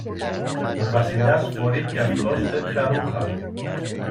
Ο Βασιλιάς φορεί και αυτός τέτοια ρούχα.